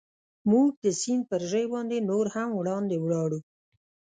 موږ د سیند پر ژۍ باندې نور هم وړاندې ولاړو.